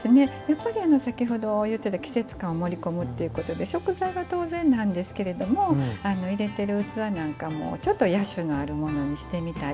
先ほど言ってた季節感を盛り込むということで食材は当然なんですけども入れてる器なんかもちょっと野趣のあるものにしてみたり。